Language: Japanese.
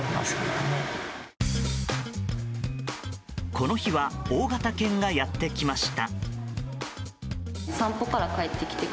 この日は大型犬がやってきました。